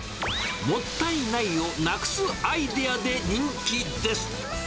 もったいないをなくすアイデアで人気です。